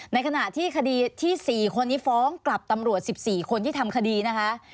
ในขณะที่คดีที่๔คนนี้ฟ้องกลับตำรวจ๑๔คนที่ทำคดีนะคะ